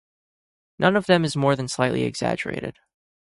None of them is more than slightly exaggerated.